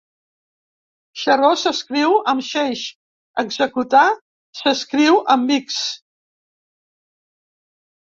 Xaró s'escriu amb xeix; executar s'escriu amb ics.